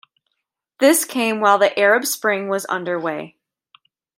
This came while the Arab Spring was underway.